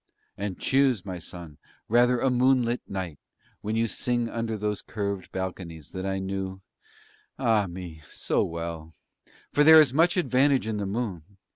And choose, my son, rather a moonlight night when you sing under those curved balconies that I knew, ah me, so well; for there is much advantage in the moon.